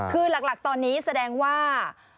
คือหลักตอนนี้แสดงว่า